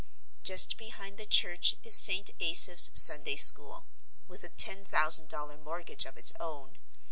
Just behind the church is St. Asaph's Sunday School, with a ten thousand dollar mortgage of its own.